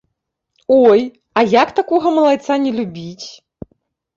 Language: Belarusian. Ой, а як такога малайца не любіць?